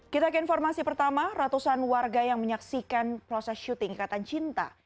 kita ke informasi pertama ratusan warga yang menyaksikan proses syuting kata cinta